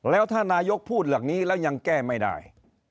แล้วถ้านายกพูดเรื่องนี้แล้วยังแก้ไม่ได้